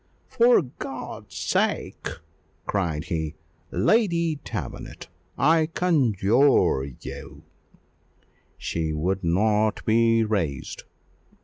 "For God's sake!" cried he, "Lady Davenant! I conjure you " She would not be raised.